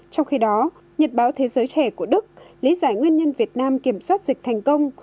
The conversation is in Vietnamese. trong khi đó nhật báo thế giới trẻ của đức lý giải nguyên nhân việt nam kiểm soát dịch thành công